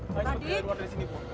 bu ayo cepat keluar dari sini bu